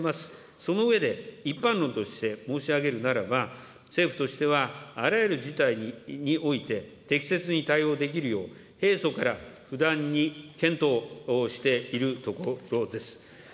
その上で、一般論として申し上げるならば、政府としては、あらゆる事態において、適切に対応できるよう、平素から不断に検討しているところです。